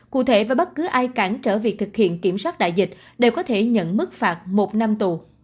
cụ thể và bất cứ ai cản trở việc thực hiện kiểm soát đại dịch đều có thể nhận mức phạt một năm tù